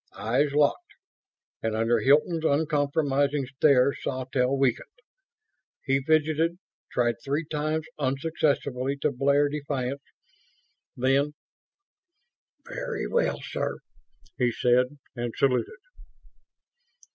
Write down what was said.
Eyes locked, and under Hilton's uncompromising stare Sawtelle weakened. He fidgeted; tried three times unsuccessfully to blare defiance. Then, "Very well sir," he said, and saluted.